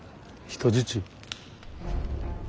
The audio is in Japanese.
人質。